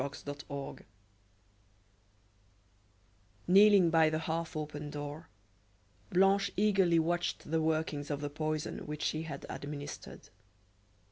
CHAPTER XLVI Kneeling by the half open door, Blanche eagerly watched the workings of the poison which she had administered.